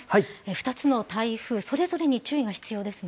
２つの台風、それぞれに注意が必要ですね。